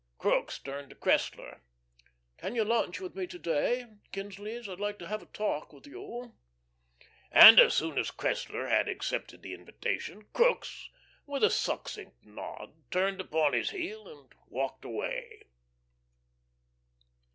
Crookes turned to Cressler. "Can you lunch with me to day at Kinsley's? I'd like to have a talk with you." And as soon as Cressler had accepted the invitation, Crookes, with a succinct nod, turned upon his heel and walked away.